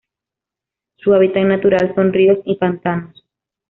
Su hábitat natural son ríos y pantanos.